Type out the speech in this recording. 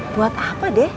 buat apa deh